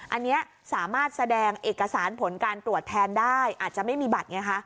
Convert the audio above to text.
อันนี้สามารถแสดงเอกสารผลการตรวจแทนได้อาจจะไม่มีบัตรไงคะ